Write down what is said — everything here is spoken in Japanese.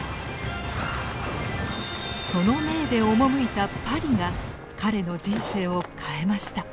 その命で赴いたパリが彼の人生を変えました。